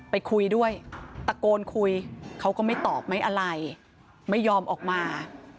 ไปคุยด้วยตะโกนคุยเขาก็ไม่ตอบไม่อะไรไม่ยอมออกมา